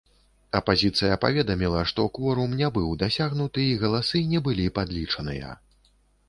Апазіцыя паведаміла, што кворум не быў дасягнуты і галасы не былі падлічаныя.